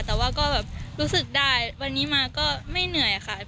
แต่ว่าก็แบบรู้สึกได้วันนี้มาก็ไม่เหนื่อยค่ะ